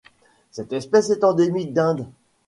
Cette espèce est endémique d'Inde.